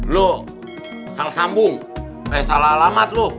lu salah sambung eh salah alamat lu